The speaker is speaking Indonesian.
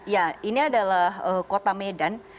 ya ini adalah kota medan